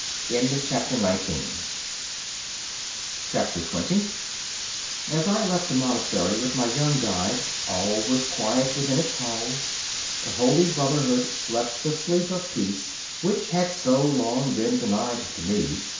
20 As I left the monastery with my young guide all was quiet within its walls; the holy Brotherhood slept the sleep of peace, which had so long been denied to me.